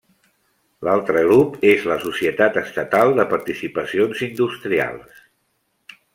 L'altre grup és la Societat Estatal de Participacions Industrials.